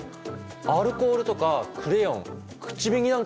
アルコールとかクレヨン口紅なんかにも使えるんだ。